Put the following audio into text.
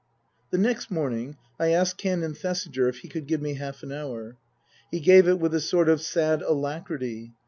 The next morning I asked Canon Thesiger if he could give me half an hour. He gave it with a sort of sad alacrity.